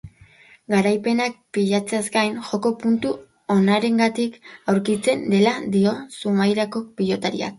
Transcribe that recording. Garaipenak pilatzeaz gain, joko puntu onarekin aurkitzen dela dio zumaiako pilotariak.